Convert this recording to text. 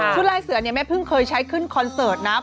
ลายเสือเนี่ยแม่พึ่งเคยใช้ขึ้นคอนเสิร์ตนะ